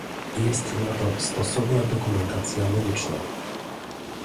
Jest na to stosowna dokumentacja medyczna